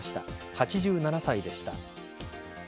８７歳でした。